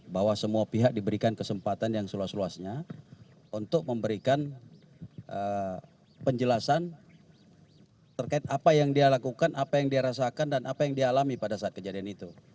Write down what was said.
bahwa semua pihak diberikan kesempatan yang seluas luasnya untuk memberikan penjelasan terkait apa yang dia lakukan apa yang dia rasakan dan apa yang dia alami pada saat kejadian itu